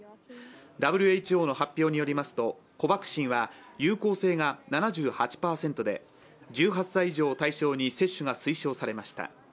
ＷＨＯの発表によりますとコバクシンは有効性が７８％で、１８歳以上を対象に接種が推奨されました。